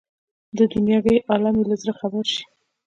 د دنیاګۍ عالم یې له زړه خبر شي.